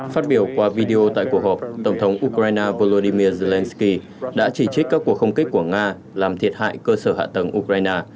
phát biểu qua video tại cuộc họp tổng thống ukraine volodymyr zelensky đã chỉ trích các cuộc không kích của nga làm thiệt hại cơ sở hạ tầng ukraine